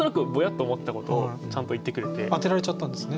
当てられちゃったんですね？